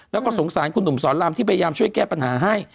แล้วก็สงสารคุณหนุ่มสอนรามที่พยายามช่วยแก้ปัญหาให้